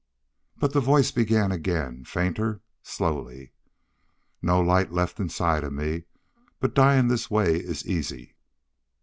But the voice began again, fainter, slowly. "No light left inside of me, but dyin' this way is easy.